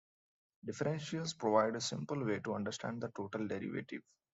Differentials provide a simple way to understand the total derivative.